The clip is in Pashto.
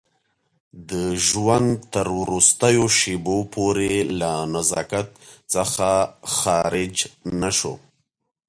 د ژوند تر وروستیو شېبو پورې له نزاکت څخه خارج نه شو.